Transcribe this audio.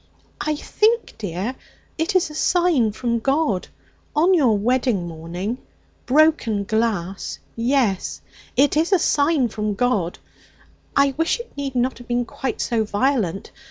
'I think, dear, it is a sign from God. On your wedding morning! Broken glass! Yes, it is a sign from God. I wish it need not have been quite so violent.